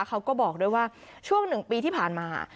เขาก็บอกด้วยว่าช่วง๑ปีที่ผ่านมา